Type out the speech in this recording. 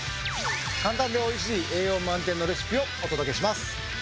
簡単で美味しい栄養満点のレシピをお届けします。